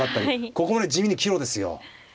ここね地味に岐路ですよ。